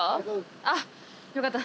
あっよかった。